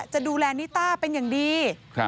จะดูแลนิต้าเป็นอย่างดี